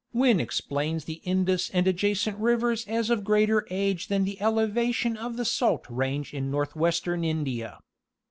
Wynne explains the Indus and adjacent rivers as of greater age than the elevation of the Salt Range in northwestern India.